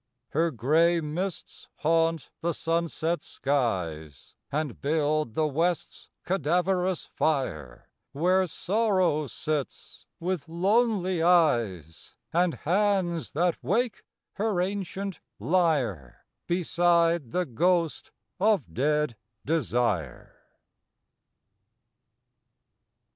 Her gray mists haunt the sunset skies, And build the west's cadaverous fire, Where Sorrow sits with lonely eyes, And hands that wake her ancient lyre, Beside the ghost of dead Desire.